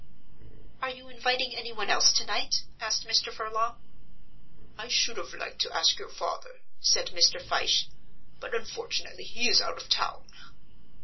"Are you inviting anyone else tonight?" asked Mr. Furlong. "I should have liked to ask your father," said Mr. Fyshe, "but unfortunately he is out of town."